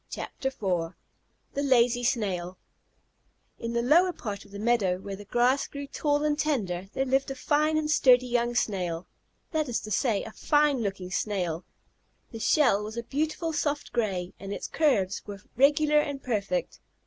THE LAZY SNAIL In the lower part of the meadow, where the grass grew tall and tender, there lived a fine and sturdy young Snail; that is to say, a fine looking Snail. His shell was a beautiful soft gray, and its curves were regular and perfect.